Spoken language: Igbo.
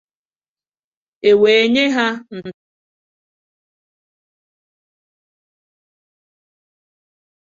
e wee nye ha ntaramahụhụ ịga ụlọ mkpọrọ ọnwa iri atọ.